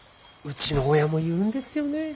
うちの親も言うんですよねぇ。